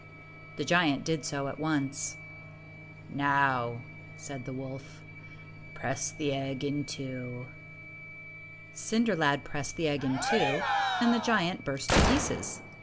The giant did so at once. "Now," said the wolf, "press the egg in two." Cinder lad pressed the egg in two, and the giant burst to pieces.